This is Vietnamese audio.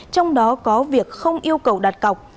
trong đó có việc không yêu cầu đạt cọc